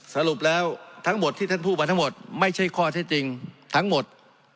สรุปแล้วทั้งหมดที่ท่านพูดมาทั้งหมดไม่ใช่ข้อเท็จจริงทั้งหมด